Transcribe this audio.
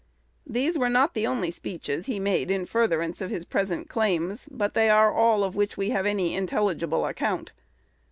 These were not the only speeches he made in furtherance of his present claims, but they are all of which we have any intelligible account.